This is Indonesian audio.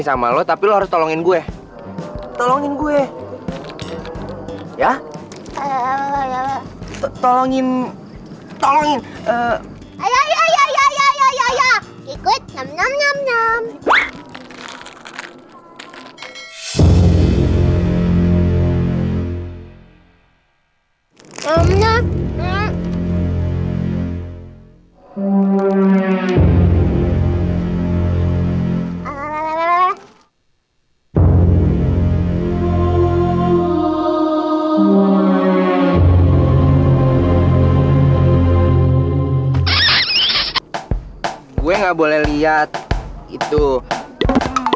sampai jumpa di video selanjutnya